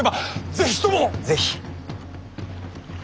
是非。